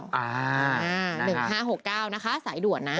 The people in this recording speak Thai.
อ่า๑๕๖๙นะคะสายด่วนนะ